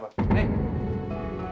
mau kasih apa